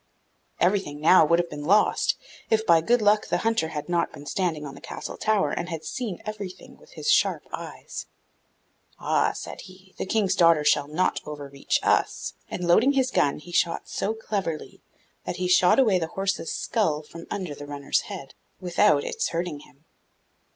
Everything now would have been lost, if by good luck the hunter had not been standing on the castle tower and had seen everything with his sharp eyes. 'Ah,' said he, 'the King's daughter shall not overreach us;' and, loading his gun, he shot so cleverly, that he shot away the horse's skull from under the runner's head, without its hurting him.